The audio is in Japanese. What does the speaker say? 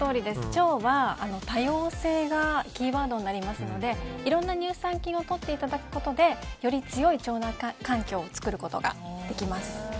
腸は多様性がキーワードになりますのでいろんな乳酸菌をとっていただいてより強い腸内環境を作ることができます。